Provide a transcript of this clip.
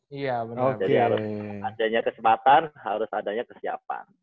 jadi adanya kesempatan harus adanya kesiapan